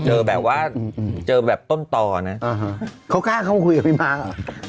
แบบว่าเจอแบบต้นต่อนะเขากล้าเข้ามาคุยกับพี่ม้าเหรอ